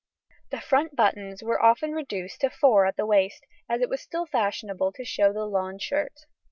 The front buttons were often reduced to four at the waist, as it was still fashionable to show the lawn shirt.